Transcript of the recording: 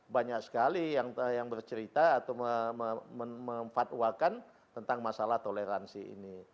banyak sekali yang bercerita atau memfatwakan tentang masalah toleransi ini